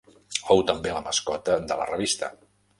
Fou també la mascota de la revista.